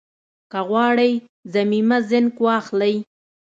که غواړئ ضمیمه زېنک واخلئ